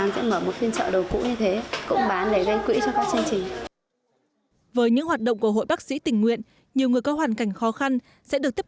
với những hoạt động của hội bác sĩ tình nguyện nhiều người có hoàn cảnh khó khăn sẽ được tiếp